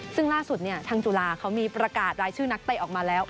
ซึ่งล่าสุดทางจุฬาเขามีประกาศรายชื่อนักเตะออกมาแล้ว